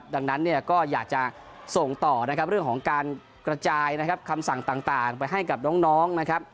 ดังนั้นก็อยากจะส่งต่อเรื่องของการกระจายคำสั่งต่างไปให้กับน้อง